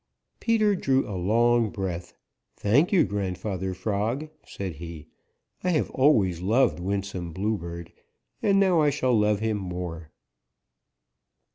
Peter drew a long breath. "Thank you, Grandfather Frog," said he. "I have always loved Winsome Bluebird and now I shall love him more."